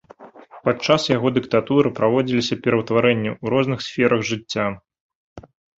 Падчас яго дыктатуры праводзіліся пераўтварэнні ў розных сферах жыцця.